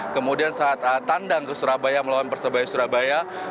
kemudian saat tandang ke surabaya melawan persebaya surabaya